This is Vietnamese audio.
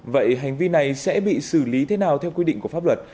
vậy hành vi này sẽ bị xử lý thế nào theo quy định của pháp luật